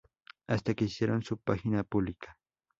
Hasta que hicieron su página pública.